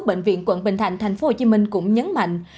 bệnh viện quận bình thạnh tp hcm cũng nhấn mạnh